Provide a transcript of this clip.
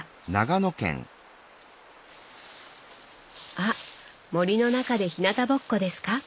あっ森の中でひなたぼっこですか？